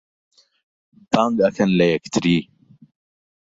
بانگ ئەکەن لە یەکتری